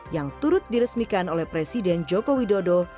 yang turut diresmikan oleh presiden joko widodo